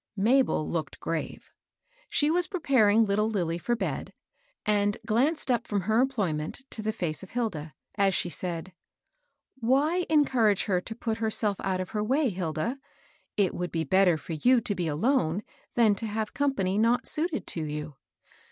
Mabel looked grave. She was preparing little Lilly for bed, and glanced up from her employ ment to the face of Hilda, as she said, —" Why encourage her to put herself out of her way, Hilda ? It would be better for you to be alone, than to have company not suited to you."